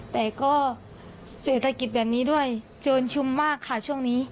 แต่ก็เศรษฐกิจแบบนี้ด้วยโจรชุมมากค่ะช่วงนี้